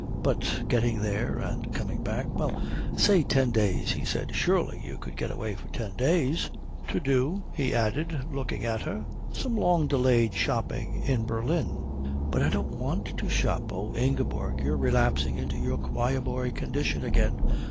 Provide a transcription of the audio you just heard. "But getting there and coming back " "Well, say ten days," he said. "Surely you could get away for ten days? To do," he added, looking at her, "some long delayed shopping in Berlin." "But I don't want to shop." "Oh, Ingeborg, you're relapsing into your choir boy condition again.